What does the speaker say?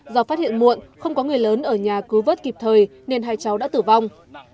do phát hiện muộn không có người lớn ở nhà cứu vớt kịp thời nên hai cháu đã tử vong